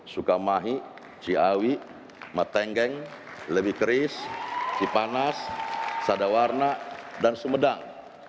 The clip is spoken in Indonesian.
sukamahi ciawi metenggeng lebih keris cipanas sadawarna dan sumedang